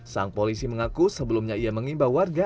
sang polisi mengaku sebelumnya ia mengimbau warga